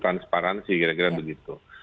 transparansi kira kira begitu